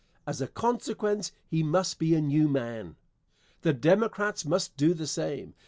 As a consequence he must be a new man. The Democrats must do the same.